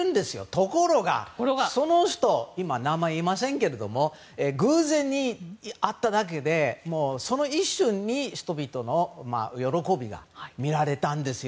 ところが、その人今、名前言いませんけども偶然に会っただけでその一瞬に人々の喜びが見られたんですよ。